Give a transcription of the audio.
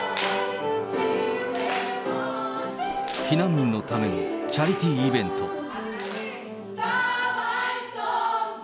避難民のためのチャリティーイベント。